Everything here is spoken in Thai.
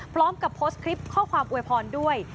พร้อมกับโพสต์คลิปข้อความอวยพรด้วย